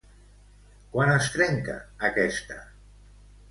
Quan es trenca aquesta?